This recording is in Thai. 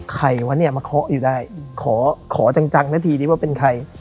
ใครวะเนี่ยมาเคาะอยู่ได้ขอขอจังนะทีนี้ว่าเป็นใคร